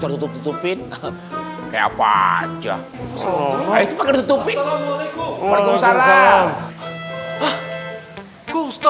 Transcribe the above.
tutup tutupin kayak apa aja